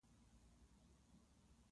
پنځه سوه توپک راوړل سوي وې.